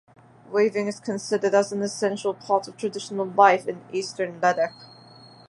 Weaving is considered as an essential part of traditional life in eastern Ladakh.